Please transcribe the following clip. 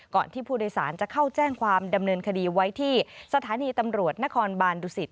ที่ผู้โดยสารจะเข้าแจ้งความดำเนินคดีไว้ที่สถานีตำรวจนครบานดุสิต